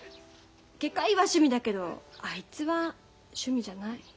外科医は趣味だけどあいつは趣味じゃない。